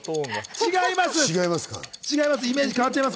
違いますか？